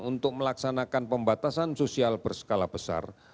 untuk melaksanakan pembatasan sosial berskala besar